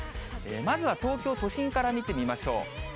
まずは東京都心から見てみましょう。